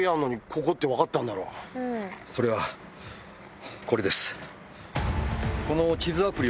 それはこれです。